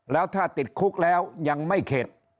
แล้วถ้าติดคุกแล้วยังไม่เข็ด